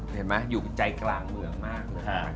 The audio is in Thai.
เห็นไหมอยู่ใจกลางเมืองมากเลย